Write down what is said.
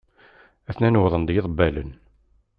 Atnan wwḍen-d yiḍebbalen.